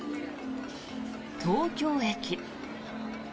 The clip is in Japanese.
東京駅。